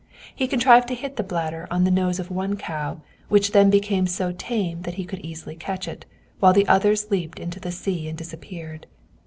He contrived to hit the bladder on the nose of one cow, which then became so tame that he could easily catch it, while the others leaped into the sea and disappeared.